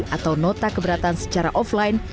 atau nota keberatan secara offline